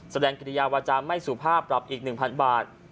แสดงกริยาวาจารย์ไม่สู่ภาพปรับอีก๑๐๐๐บาท